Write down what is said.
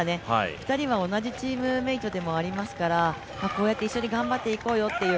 ２人は同じチームメートでもありますから、こうやって一緒に頑張っていこうよという、